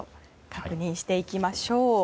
確認していきましょう。